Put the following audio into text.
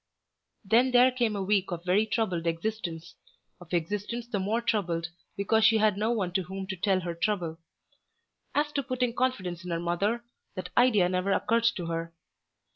Then there came a week of very troubled existence, of existence the more troubled because she had no one to whom to tell her trouble. As to putting confidence in her mother, that idea never occurred to her.